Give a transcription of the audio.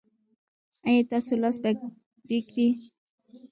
ایا ستاسو لاس به ریږدي؟